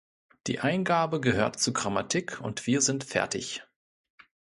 Die Eingabe gehört zur Grammatik und wir sind fertig.